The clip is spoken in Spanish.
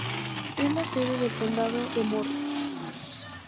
Es la sede del condado de Morris.